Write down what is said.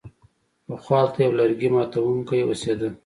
پخوا هلته یو لرګي ماتوونکی اوسیده.